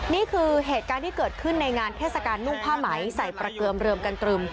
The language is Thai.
นี่คือเหตุการณ์ที่เกิดขึ้นในงานเทศกาลนุ่งผ้าไหมใส่ประเกือมเรือมกันตรึม